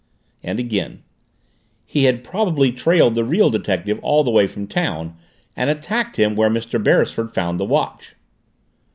And again: "He had probably trailed the real detective all the way from town and attacked him where Mr. Beresford found the watch."